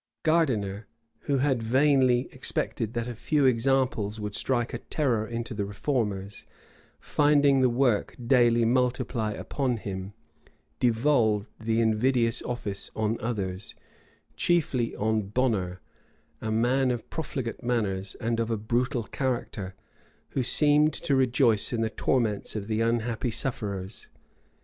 Gardiner, who had vainly expected that a few examples would strike a terror into the reformers, finding the work daily multiply upon him, devolved the invidious office on others, chiefly on Bonner, a man of profligate manners, and of a brutal character, who seemed to rejoice in the torments of the unhappy sufferers.